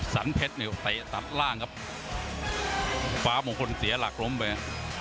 สันเพชรเนี่ยเตะตัดล่างครับฟ้ามงคลเสียหลักล้มไป